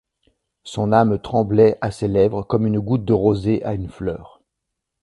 Son âme tremblait à ses lèvres comme une goutte de rosée à une fleur.